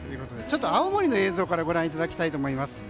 ちょっと青森の映像からご覧いただきたいと思います。